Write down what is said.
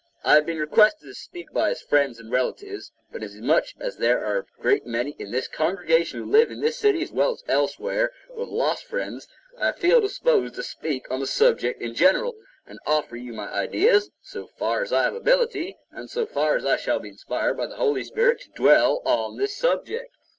I have been requested to speak by his friends and relatives, but inasmuch as there are a great many in this congregation who live in this city as well as elsewhere, who have lost friends, I feel disposed to speak on the subject in general, and offer you my ideas, so far as I have ability, and so far as I shall be inspired by the Holy Spirit to dwell on this subject.